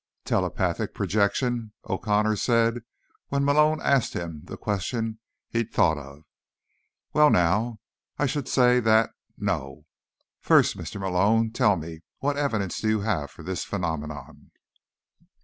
"Telepathic projection?" O'Connor said when Malone asked him the question he'd thought of. "Well, now. I should say that—no. First, Mr. Malone, tell me what evidence you have for this phenomenon."